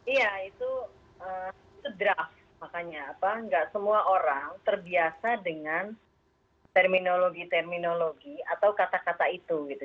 iya itu draft makanya apa nggak semua orang terbiasa dengan terminologi terminologi atau kata kata itu gitu